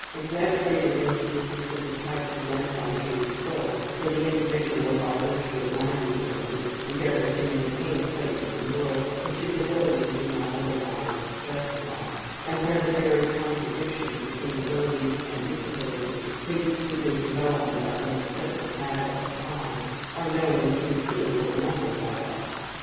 Exaggerated instances of the type represented by Case 12, where the individual by the virtue of language ability endeavors to maintain a place in the world which his abilities do not otherwise justify, and where the very contradiction between abilities and disabilities leads to the development of an excessive habit of lying, are known in considerable number by us.